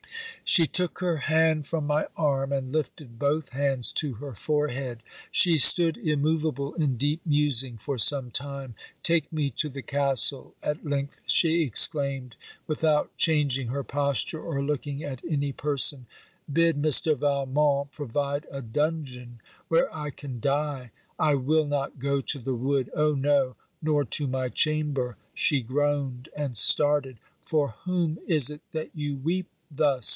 She took her hand from my arm, and lifted both hands to her forehead. She stood immoveable in deep musing for some time. 'Take me to the castle!' at length she exclaimed, without changing her posture or looking at any person. 'Bid Mr. Valmont provide a dungeon where I can die. I will not go to the wood! Oh, no! nor to my chamber!' She groaned and started. 'For whom is it that you weep, thus?'